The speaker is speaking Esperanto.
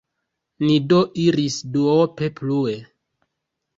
Ni do iris duope plue.